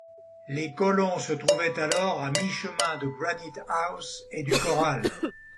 Les colons se trouvaient alors à mi-chemin de Granite-house et du corral.